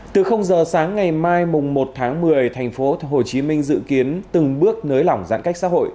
từ giờ sáng ngày mai mùng một tháng một mươi thành phố hồ chí minh dự kiến từng bước nới lỏng giãn cách xã hội